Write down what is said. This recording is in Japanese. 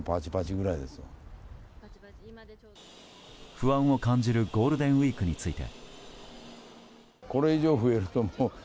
不安を感じるゴールデンウィークについて。